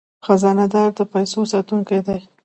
خزانه دار د پیسو ساتونکی دی